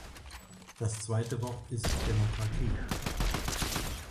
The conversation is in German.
Das Zweite Wort ist "Demokratie".